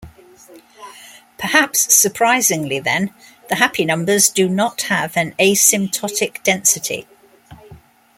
Perhaps surprisingly, then, the happy numbers do not have an asymptotic density.